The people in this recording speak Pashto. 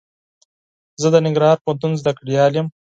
زه د ننګرهار پوهنتون زده کړيال يم.